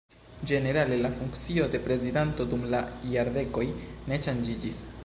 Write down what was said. Ĝenerale la funkcio de prezidanto dum la jardekoj ne ŝanĝiĝis.